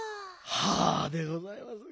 はあでございます。